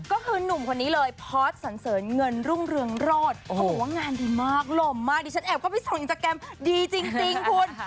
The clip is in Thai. ก็คือหนุ่มคนนี้เลยพอสสันเสริญเงินรุ่งเรืองโรธเขาบอกว่างานดีมากลมมากดิฉันแอบเข้าไปส่งอินสตาแกรมดีจริงคุณ